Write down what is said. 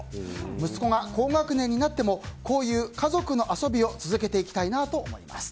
息子が高学年になってもこういう家族の遊びを続けていきたいなと思っています。